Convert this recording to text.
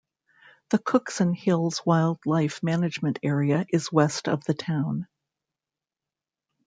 The Cookson Hills Wildlife Management Area is west of the town.